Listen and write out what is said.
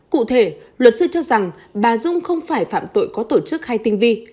cụ thể luật sư cho rằng bà dung không phải phạm tội có tổ chức hay tinh vi